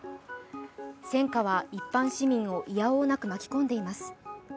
戦火は一般市民をいやおうなく巻き込んでいます。